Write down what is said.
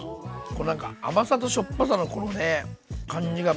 こうなんか甘さとしょっぱさのこのね感じが。